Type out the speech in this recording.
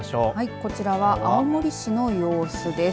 こちらは青森市の様子です。